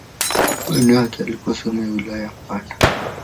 Maeneo yake yalikuwa sehemu ya wilaya ya Mpanda.